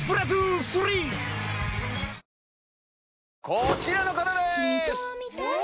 こちらの方です！